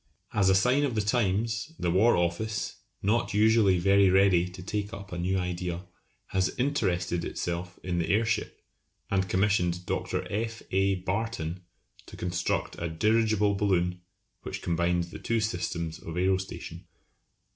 As a sign of the times, the War Office, not usually very ready to take up a new idea, has interested itself in the airship, and commissioned Dr. F. A. Barton to construct a dirigible balloon which combines the two systems of aerostation.